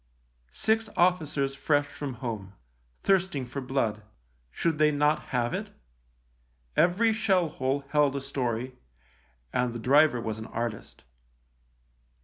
Six officers fresh from home — thirsting for blood — should they not have it ? Every shell hole held a story, and the driver was an artist.